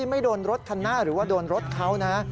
ไม่โดนรถคันหน้าหรือว่าโดนรถเขานะ